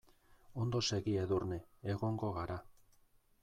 Ondo segi Edurne, egongo gara.